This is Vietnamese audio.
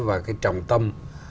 và cái trọng tâm